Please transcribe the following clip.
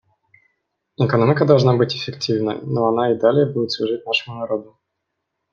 Экономика должна быть эффективной, но она и далее будет служить нашему народу.